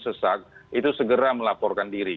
sesak itu segera melaporkan diri